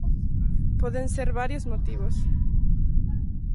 Poden ser varios motivos.